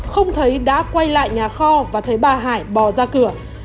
không thấy đã quay lại nhà kho và thấy bà hải bỏ ra cửa